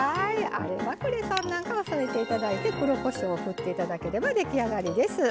あればクレソンなんかを添えて頂いて黒こしょうをふって頂ければ出来上がりです。